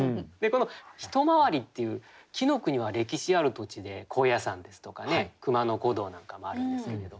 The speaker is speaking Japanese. この「一回り」っていう紀国は歴史ある土地で高野山ですとか熊野古道なんかもあるんですけれど。